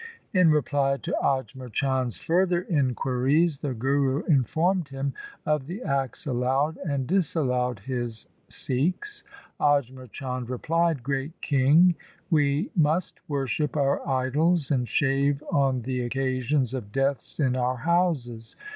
In reply to Ajmer Chand' s further inquiries, the Guru informed him of the acts allowed and disallowed his Sikhs. Ajmer Chand replied, ' Great king, we must worship our idols and shave on the occasions of deaths in our houses.